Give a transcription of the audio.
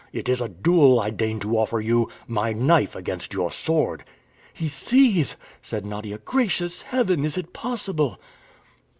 It is a duel I deign to offer you! My knife against your sword!" "He sees!" said Nadia. "Gracious Heaven, is it possible!"